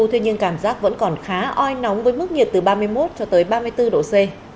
thế nhưng cảm giác vẫn còn khá oi nóng với mức nhiệt từ ba mươi một cho tới ba mươi bốn độ c